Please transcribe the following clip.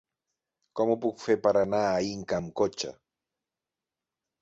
Com ho puc fer per anar a Inca amb cotxe?